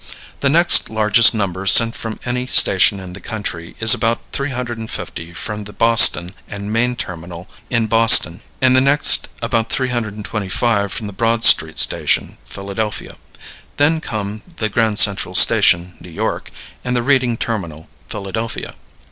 The next largest number sent from any station in this country is about 350 from the Boston and Maine terminal in Boston, and the next about 325 from the Broad Street Station, Philadelphia. Then come the Grand Central Station, New York, and the Reading Terminal, Philadelphia.